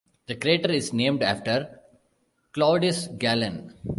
The crater is named after Claudius Galen.